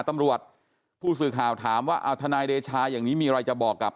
ตำรวจผู้สื่อข่าวถามว่าเอาทนายเดชาอย่างนี้มีอะไรจะบอกกับ